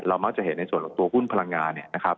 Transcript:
มักจะเห็นในส่วนของตัวหุ้นพลังงานเนี่ยนะครับ